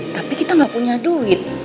tapi kita nggak punya duit